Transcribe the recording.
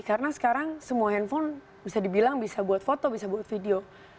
karena sekarang semua handphone bisa dibilang bisa buat foto bisa buat video